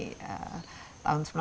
di mana tempat ini terdapat